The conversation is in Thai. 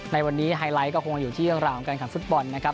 ในวันนี้ไฮไลท์ก็คงอยู่ที่เรื่องราวของการแข่งฟุตบอลนะครับ